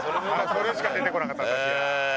それしか出てこなかった私は。